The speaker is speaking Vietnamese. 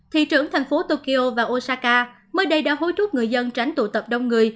thị trưởng thành phố tokyo và osaka mới đây đã hối thúc người dân tránh tụ tập đông người